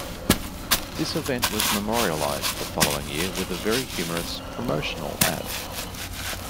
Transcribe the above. This event was memorialized the following year with a very humorous promotional ad.